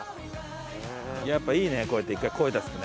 やっぱいいねこうやって１回声出すとね。